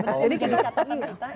jadi kita catatan kita